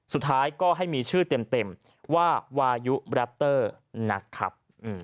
สุดท้ายก็ให้มีชื่อเต็มว่าวายุแรปเตอร์นะครับ